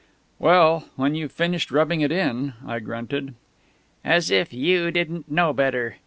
_" "Well, when you've finished rubbing it in " I grunted. "As if you didn't know better!...